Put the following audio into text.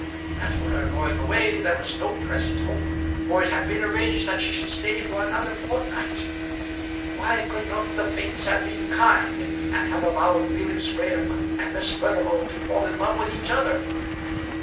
As for her going away, there was no present hope; for it had been arranged that she should stay for another fortnight. Why could not the Fates have been kind, and have allowed Felix Graham and Miss Furnival to fall in love with each other?